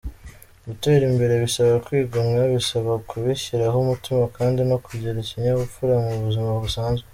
Gutera imbere bisaba kwigomwa, bisaba kubishyiraho umutima kandi no kugira ikinyabupfura mu buzima busanzwe.